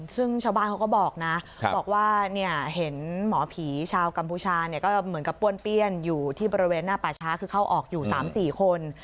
ซึ่งชาวบ้านเขาก็บอกนะบอกว่าเห็นหมอผีชาวกัมพูชาก็เหมือนกับป้วนเปี้ยนอยู่ที่บริเวณหน้าป่าช้าคือเข้าออกอยู่๓๔คน